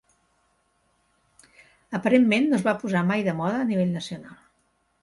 Aparentment, no es va posar mai de moda a nivell nacional.